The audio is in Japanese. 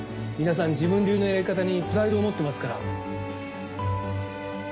皆さん自分流のやり方にプライドを持ってますから。